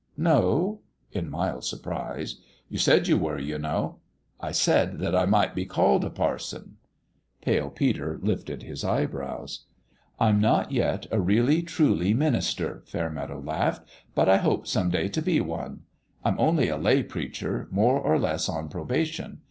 "No?" in mild surprise. "You said you were, you know !"" I said that I might be called a parson." Pale Peter lifted his eyebrows. "I'm not yet a really truly minister," Fair meadow laughed ;" but I hope some day to be one. I'm only a lay preacher, more or less on probation.